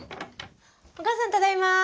お母さんただいま。